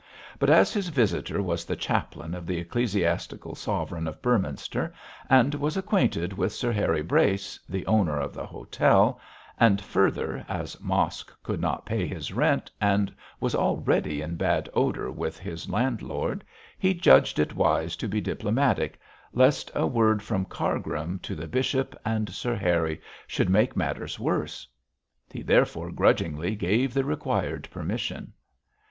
But as his visitor was the chaplain of the ecclesiastical sovereign of Beorminster, and was acquainted with Sir Harry Brace, the owner of the hotel, and further, as Mosk could not pay his rent and was already in bad odour with his landlord, he judged it wise to be diplomatic, lest a word from Cargrim to the bishop and Sir Harry should make matters worse. He therefore grudgingly gave the required permission.